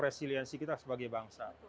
resiliensi kita sebagai bangsa